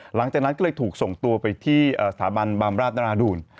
หลังจากนั้นก็เลยถูกส่งตัวไปที่สถาบันบำราชนราดูล